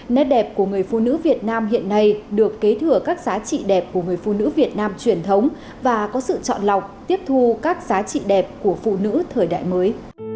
nét đẹp của người phụ nữ việt nam hiện nay được kế thừa các giá trị đẹp của người phụ nữ việt nam truyền thống và có sự chọn lọc tiếp thu các giá trị đẹp của phụ nữ thời đại mới